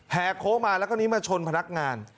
แห่โค้กมาแล้วก็หนึ่งมาชนพนักงาน